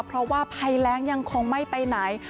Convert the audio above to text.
เพราะว่าภัยแรงยังคงไม่ไปไหน